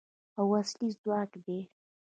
او اصلي ځواک دی.